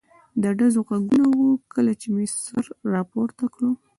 د ډزو غږونه و، کله چې مې سر را پورته کړ.